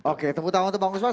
oke tepuk tangan untuk bang usman